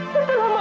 setelah mama sadar